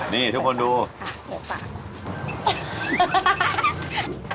นี่ทุกคนดูค่ะโหปาก